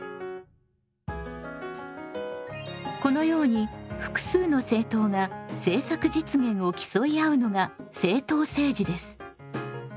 このように複数の政党が政策実現を競い合うのが政党政治です。